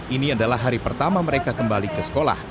ini adalah hari pertama mereka kembali ke sekolah